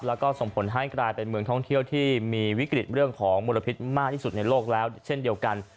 แล้วก็ส่งผลให้กลายเป็นเมืองท่องเที่ยวที่มีวิกฤตเรื่องของมลพิษมากที่สุดในโลกแล้วเช่นเดียวกัน